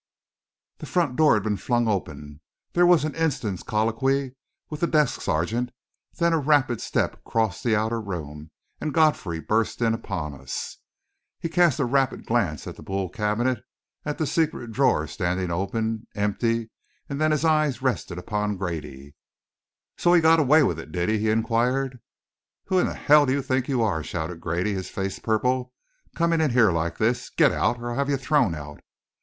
The front door had been flung open; there was an instant's colloquy with the desk sergeant, then a rapid step crossed the outer room, and Godfrey burst in upon us. He cast a rapid glance at the Boule cabinet, at the secret drawer standing open, empty; and then his eyes rested upon Grady. "So he got away with it, did he?" he inquired. "Who in hell do you think you are?" shouted Grady, his face purple, "coming in here like this? Get out, or I'll have you thrown out!"